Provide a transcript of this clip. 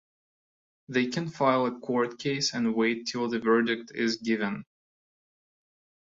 They can file a court case and wait till the verdict is given.